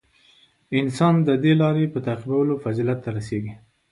• انسان د دې د لارې په تعقیبولو فضیلت ته رسېږي.